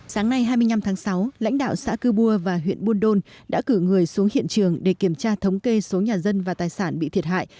sáng nay hai mươi năm tháng sáu lãnh đạo xã cư bưua và huyện buôn đôn đã cử người xuống hiện trường để kiểm tra thống kê số nhà dân và tài sản bị thiệt hại